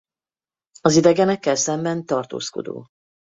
Az idegenekkel szemben tartózkodó.